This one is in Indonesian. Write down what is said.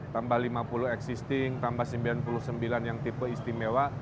tambah lima puluh existing tambah sembilan puluh sembilan yang tipe istimewa